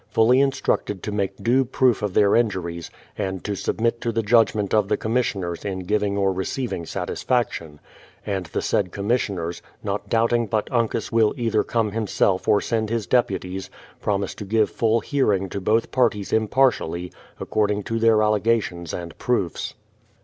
^fully instructed to make due proof of their injuries, and to submit to the judgment of the commissioners in giving or re ceiving satisfaction ; and the said commissioners, not doubting but Uncas will either come himself or send his deputies, promise to give full hearing to both parties impartially, according to their allegations and proofs.